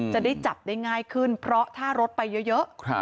จะได้จับได้ง่ายขึ้นเพราะถ้ารถไปเยอะ